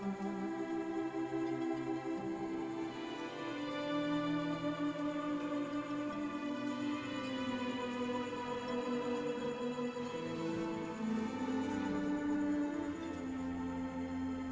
setiap senulun buat